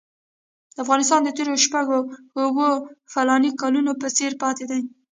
افغانستان د تېرو شپږو اوو فلاني کالو په څېر پاتې دی.